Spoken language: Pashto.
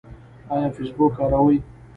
ایا فیسبوک کاروئ؟